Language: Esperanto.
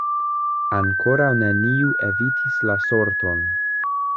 Ankoraŭ neniu evitis la sorton.